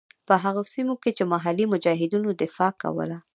په هغو سیمو کې چې محلي مجاهدینو دفاع کوله.